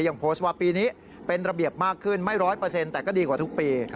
ยังโพสต์ว่าปีนี้เป็นระเบียบมากขึ้นไม่ร้อยเปอร์เซ็นต์แต่ก็ดีกว่าทุกปี